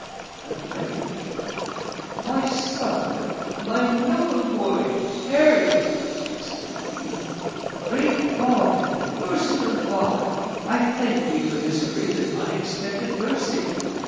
At length "My son! my noble boy Harry," exclaimed he. "Great God! Merciful Father! I thank Thee for this great and unexpected mercy.